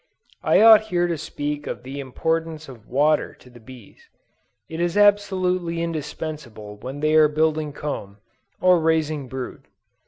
I ought here to speak of the importance of water to the bees. It is absolutely indispensable when they are building comb, or raising brood.